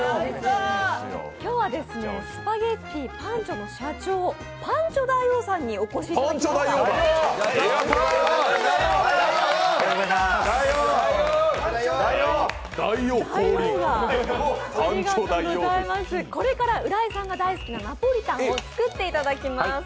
今日はスパゲッティパンチョの社長パンチョ大王さんにお越しいただきました。